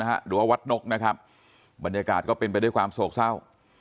หรือว่าวัดนกนะครับบรรยากาศก็เป็นไปด้วยความโศกเศร้า